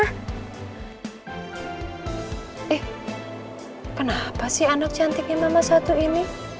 eh kenapa sih anak cantiknya mama satu ini